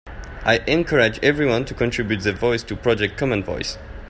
I encourage everyone to contribute their voice to Project Common Voice.